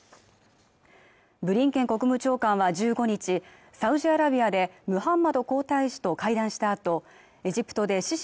ブリンケン国務長官は１５日サウジアラビアでムハンマド皇太子と会談したあとエジプトでシシ